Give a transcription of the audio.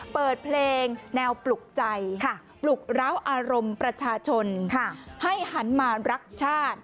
เปิดเพลงแนวปลุกใจปลุกร้าวอารมณ์ประชาชนให้หันมารักชาติ